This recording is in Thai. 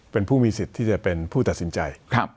เป็นผู้มีสิทธิ์ที่จะเป็นผู้ตัดสินใจ